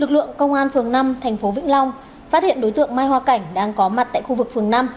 lực lượng công an phường năm thành phố vĩnh long phát hiện đối tượng mai hoa cảnh đang có mặt tại khu vực phường năm